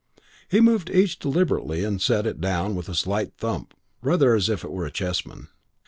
He moved each deliberately and set it down with a slight thump, rather as if it were a chessman.